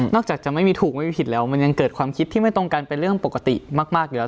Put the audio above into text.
จากจะไม่มีถูกไม่มีผิดแล้วมันยังเกิดความคิดที่ไม่ตรงกันเป็นเรื่องปกติมากอยู่แล้ว